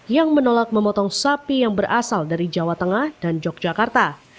yang menolak memotong sapi yang berasal dari jawa tengah dan yogyakarta